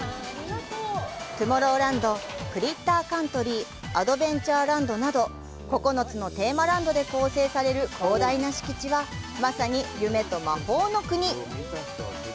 トゥモローランド、クリッター・カントリー、アドベンチャーランドなど、９つのテーマランドで構成される広大な敷地は、まさに夢と魔法の国！